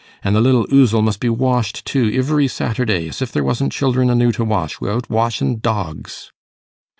An' the little ouzle must be washed, too, ivery Saturday, as if there wasn't children enoo to wash, wi'out washin' dogs.